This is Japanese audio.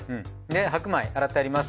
白米洗ってあります。